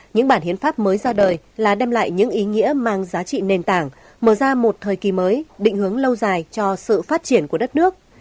những bản hiến pháp mới ra đời là đem lại những ý nghĩa mang giá trị nền tảng mở ra một thời kỳ mới định hướng lâu dài cho sự phát triển của đất nước